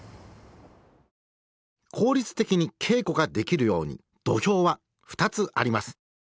効率的に稽古ができるように土俵は２つあります。